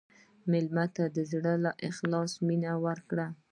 مېلمه ته د زړه له اخلاصه مینه ورکړه.